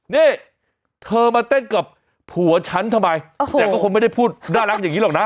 นี่เธอมาเต้นกับผัวฉันทำไมแต่ก็คงไม่ได้พูดน่ารักอย่างนี้หรอกนะ